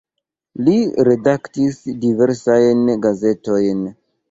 Li redaktis diversajn gazetojn.